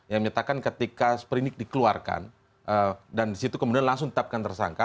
yang menyatakan ketika perindik dikeluarkan dan di situ kemudian langsung tetapkan tersangka